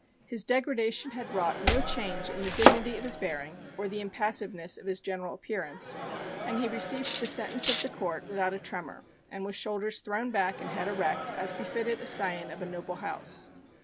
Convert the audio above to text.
His degradation had wrought no change in the dignity of his bearing or the impassiveness of his general appearance, and he received the sentence of the Court without a tremor, and with shoulders thrown back and head erect as befitted a scion of a noble house.